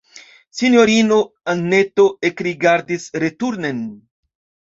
Sinjorino Anneto ekrigardis returnen.